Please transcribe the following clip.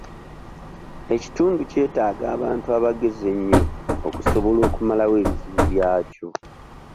Ekitundu kyetaaga abantu abagezi ennyo okusobola okumalawo ebizibu byakyo.